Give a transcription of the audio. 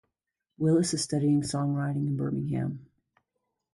Willis is studying songwriting in Birmingham.